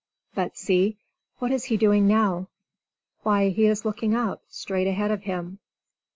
But see, what is he doing now? Why, he is looking up, straight ahead of him!